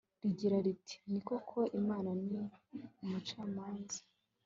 rigira riti ni koko, imana ni yo mucamanza! (guceceka akanya gato